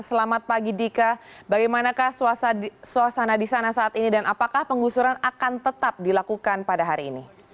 selamat pagi dika bagaimanakah suasana di sana saat ini dan apakah penggusuran akan tetap dilakukan pada hari ini